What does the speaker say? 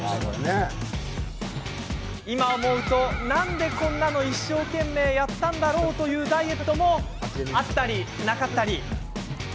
今、思うと、なんでこんなの一生懸命やったんだろう？というダイエットもあったり、なかったり。